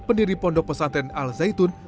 pendiri pondok pesantren al zaitun